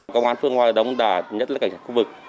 công an phương ngoài đồng đà nhất là cảnh sát khu vực